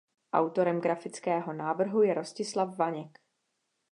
Autorem grafického návrhu je Rostislav Vaněk.